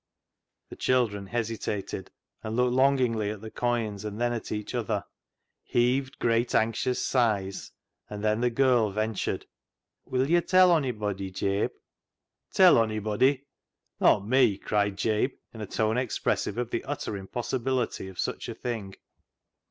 The children hesitated, looked longingly at the coins and then at each other, heaved great, anxious sighs, and then the girl ventured —" Will yo' tell onybody, Jabe ?"" Tell onybody ? Not me" cried Jabe, in a tone expressive of the utter impossibility of such a thing.